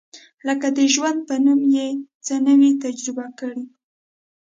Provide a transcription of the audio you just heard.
لکه د ژوند په نوم یې څه نه وي تجربه کړي.